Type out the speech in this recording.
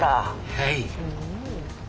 はい。